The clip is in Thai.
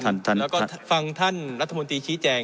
แล้วก็ฟังท่านรัฐมนตรีชี้แจง